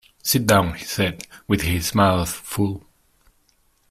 “Sit down,” he said, with his mouth full.